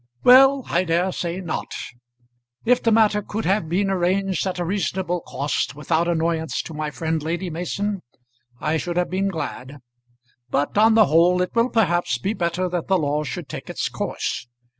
"Well; I dare say not. If the matter could have been arranged at a reasonable cost, without annoyance to my friend Lady Mason, I should have been glad; but, on the whole, it will perhaps be better that the law should take its course.